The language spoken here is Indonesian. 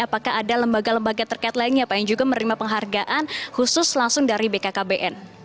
apakah ada lembaga lembaga terkait lainnya pak yang juga menerima penghargaan khusus langsung dari bkkbn